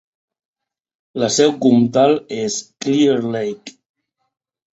La seu comtal és Clear Lake.